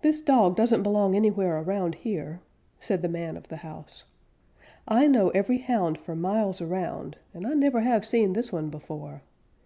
"This dog doesn't belong anywhere around here," said the man of the house. "I know every Hound for miles around, and I never have seen this one before.